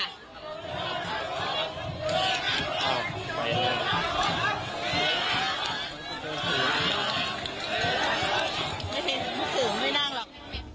ไม่ได้ไม่น่าหรอก